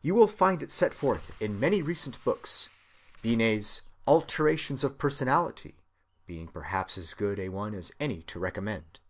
You will find it set forth in many recent books, Binet's Alterations of Personality(122) being perhaps as good a one as any to recommend.